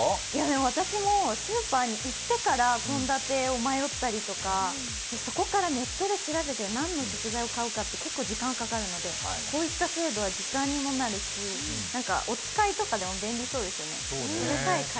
私もスーパーに行ってから献立を迷ったりとかそこからネットで調べて何の食材を買うかって結構時間かかるのでこういった制度は時短にもなるしお遣いとかでも便利そうですよね。